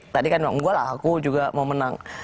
tadi kan enggak lah aku juga mau menang